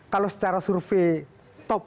kalau secara survei top